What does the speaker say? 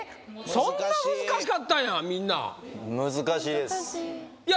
そんな難しかったんやみんな難しいですいや